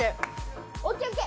ＯＫＯＫ